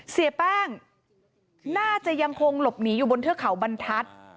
เสียแป้งน่าจะยังคงหลบหนีอยู่บนเทือกเขาบรรทัศน์